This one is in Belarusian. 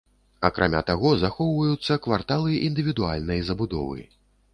Акрамя таго захоўваюцца кварталы індывідуальнай забудовы.